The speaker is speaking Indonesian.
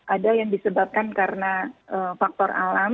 ada yang disebabkan karena faktor alam